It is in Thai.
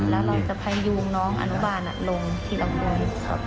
แล้วจะพายูงน้องอนุบาลลงที่ต่อปุ่น